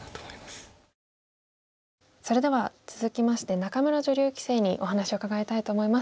それでは続きまして仲邑女流棋聖にお話を伺いたいと思います。